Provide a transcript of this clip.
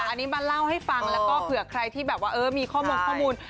อันนี้มาเล่าให้ฟังแล้วก็เผื่อใครที่แบบว่ามีข้อมูลข้อมูล